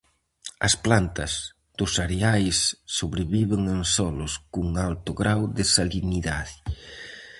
As plantas dos areais sobreviven en solos cun alto grao de salinidade.